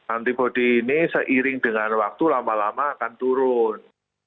antibody ini seiring dengan waktu lama lama akan turun